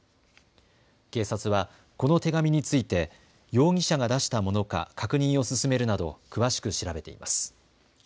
警察はこの手紙について容疑者が出したものか確認を進めるなど詳しく調べています。